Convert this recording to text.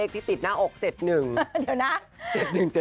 ที่ติดหน้าอก๗๑เดี๋ยวนะ